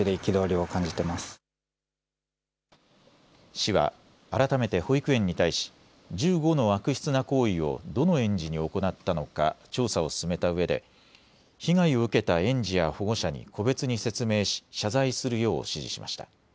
市は改めて保育園に対し１５の悪質な行為をどの園児に行ったのか調査を進めたうえで被害を受けた園児や保護者に個別に説明し謝罪するよう指示しました。